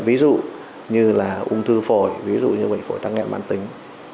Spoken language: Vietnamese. ví dụ như ung thư phổi ví dụ như bệnh phổi tăng nghẹn mãn tính